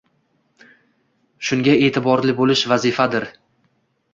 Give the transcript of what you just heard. Shunga e’tiborli bo‘lish vazifadir.